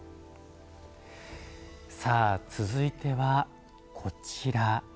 続いては、こちら。